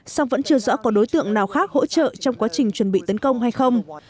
song vẫn chưa rõ có đối tượng nào khác hỗ trợ trong quá trình chuẩn bị tấn công hay không